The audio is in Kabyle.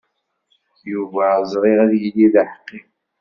Yuba ẓriɣ ad yili d aḥeqqi.